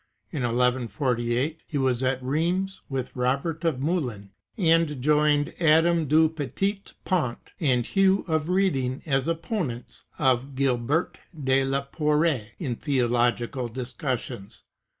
In 1148 he was at Rheims with Robert of Melun, and joined Adam du Petit Pont and Hugh of Reading as opponents of Gilbert de la Porree in theological discussions.